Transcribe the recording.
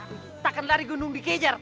aku juga takkan lari gunung dikejar